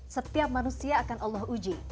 setiap manusia akan allah uji